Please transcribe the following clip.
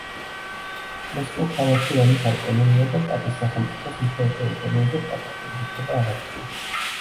მოსპო ქალაქი რომის ავტონომია და პაპის სახელმწიფოს მთელ ტერიტორიაზე პაპის ხელისუფლება აღადგინა.